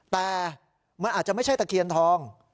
แต่มันอาจจะไม่ใช่ตะเคียนทอง